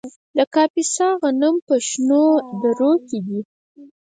د کاپیسا غنم په شنو درو کې دي.